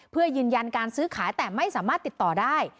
เพื่อยืนยันการซื้อขายแต่ไม่สามารถติดต่อได้